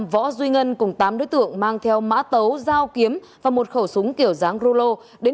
võ duy ngân cùng tám đối tượng mang theo mã tấu dao kiếm và một khẩu súng kiểu dáng glulo